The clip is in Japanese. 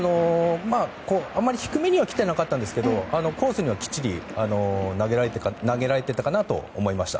あまり低めには来ていなかったんですけどコースにはきっちり投げられていたかなと思いました。